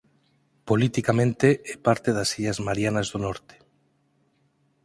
Politicamente é parte das illas Marianas do Norte.